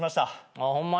あホンマに。